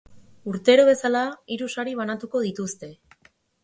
Urtero bezala, hiru sari banatuko dituzte.